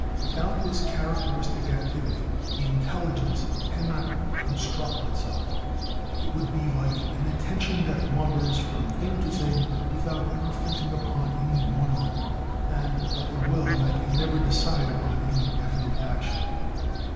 Without this characteristic activity, the intelligence cannot construct itself; it would be like an attention that wanders from thing to thing without ever fixing upon any one of them, and like a will that can never decide upon any definite action.